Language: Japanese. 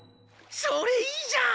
それいいじゃん！